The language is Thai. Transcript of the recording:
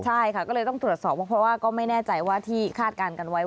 ใช่ค่ะก็เลยต้องตรวจสอบว่าเพราะว่าก็ไม่แน่ใจว่าที่คาดการณ์กันไว้